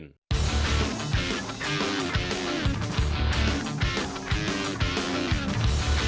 หนึ่งนาทีมีเฮวันนี้